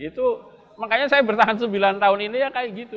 itu makanya saya bertahan sembilan tahun ini ya kayak gitu